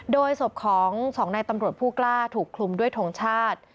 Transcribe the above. โดยศพของสองนายตำรวจผู้กล้าถูกคลุมด้วยทงชาติ